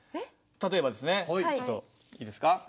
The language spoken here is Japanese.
例えばですねちょっといいですか？